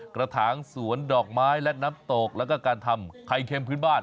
กระถางสวนดอกไม้และน้ำตกแล้วก็การทำไข่เค็มพื้นบ้าน